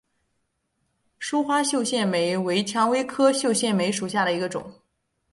疏花绣线梅为蔷薇科绣线梅属下的一个种。